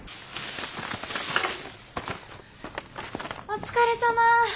お疲れさま。